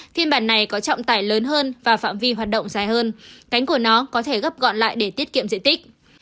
phiên bản này có trọng tải lớn hơn và phạm vi hoạt động dài hơn cánh của nó có thể gấp gọn lại để tiết kiệm diện tích